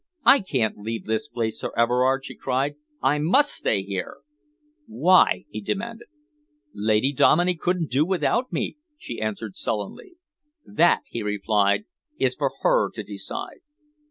"I can't leave this place, Sir Everard," she cried. "I must stay here!" "Why?" he demanded. "Lady Dominey couldn't do without me," she answered sullenly. "That," he replied, "is for her to decide.